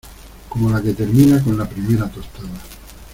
como la que termina con la primera tostada